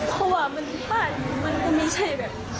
เพราะว่าบ้านมันก็ไม่ใช่แบบ